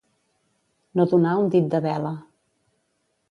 No donar un dit de vela.